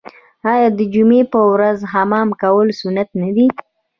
آیا د جمعې په ورځ حمام کول سنت نه دي؟